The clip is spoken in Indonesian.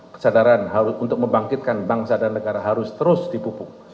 kesadaran untuk membangkitkan bangsa dan negara harus terus dipupuk